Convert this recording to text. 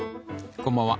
こんばんは。